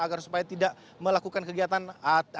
agar supaya tidak melakukan kegiatan mengakses tiket